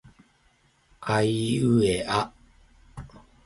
あいうえあ